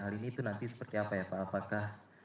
hal ini itu nanti seperti apa ya pak apakah